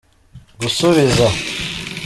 gusubiza.